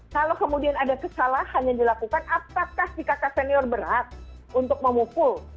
kalau kemudian ada kesalahan yang dilakukan apakah si kakak senior berat untuk memukul